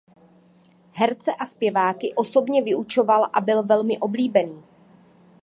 Herce a zpěváky osobně vyučoval a byl velmi oblíbený.